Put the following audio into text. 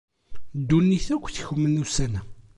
Ddunit akk tekmen ussan-a.